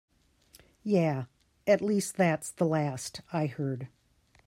Yeah, at least that's the last I heard.